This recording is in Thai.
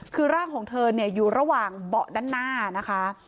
คือร่างของเธอเนี่ยอยู่ระหว่างเบาะด้านหน้านะคะ